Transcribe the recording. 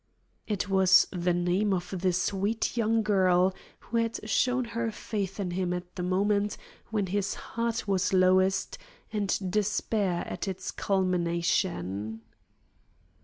It was the name of the sweet young girl who had shown her faith in him at the moment when his heart was lowest and despair at its culmination.